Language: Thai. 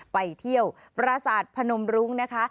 ไปเที่ยวประสาทพนมรุ้งนะคะ